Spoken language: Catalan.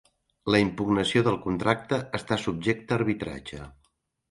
La impugnació del contracte està subjecte a arbitratge.